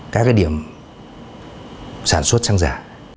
các điểm sản xuất xăng giả